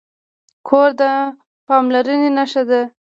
کور د پاملرنې نښه ده.